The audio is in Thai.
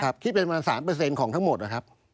ครับคิดเป็นประมาณ๓เปอร์เซ็นต์ของทั้งหมดนะครับ